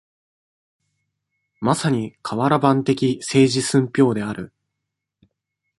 まさに、かわら版的政治寸評である。